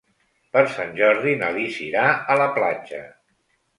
Per Sant Jordi na Lis irà a la platja.